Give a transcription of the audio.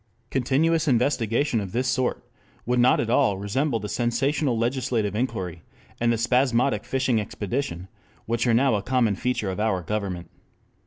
Continuous investigation of this sort would not at all resemble the sensational legislative inquiry and the spasmodic fishing expedition which are now a common feature of our government.